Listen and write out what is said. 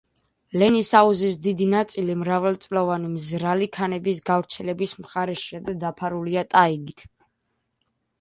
ლენის აუზის დიდი ნაწილი მრავალწლოვანი მზრალი ქანების გავრცელების მხარეშია და დაფარულია ტაიგით.